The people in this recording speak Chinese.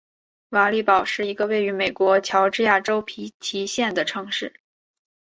瓦利堡是一个位于美国乔治亚州皮奇县的城市。